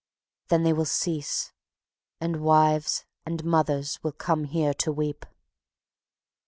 Then they will cease, and wives and mothers will come here to weep.